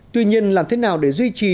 tuy nhiên làm thế nào để duy trì